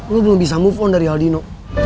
gue belum bisa move on dari aldino